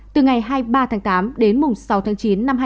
từ ngày hai mươi ba tháng tám đến sáu tháng chín